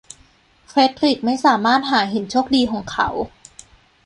เฟรดดริคไม่สามารถหาหินโชคดีของเขา